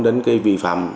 đến cái vi phạm